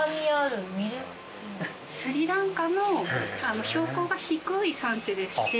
スリランカの標高が低い産地でして。